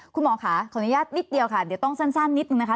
คุณหมอค่ะขออนุญาตนิดเดียวค่ะเดี๋ยวต้องสั้นนิดนึงนะคะ